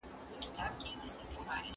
ټولنه کولای سي له افراطیت څخه ځان وژغوري.